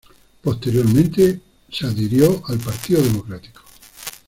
Posteriormente adhirió al Partido Demócrata.